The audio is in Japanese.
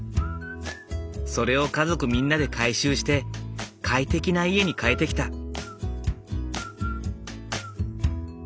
それを家族みんなで改修して快適な家に変えてきた。